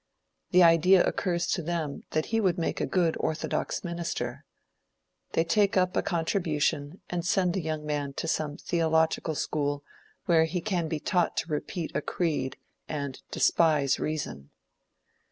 The idea occurs to them that he would make a good orthodox minister. They take up a contribution, and send the young man to some theological school where he can be taught to repeat a creed and despise reason.